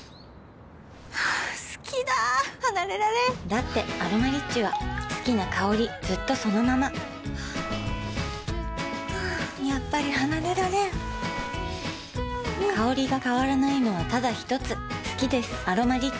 好きだ離れられんだって「アロマリッチ」は好きな香りずっとそのままやっぱり離れられん香りが変わらないのはただひとつ好きです「アロマリッチ」